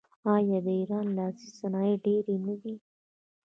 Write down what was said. آیا د ایران لاسي صنایع ډیر نه دي؟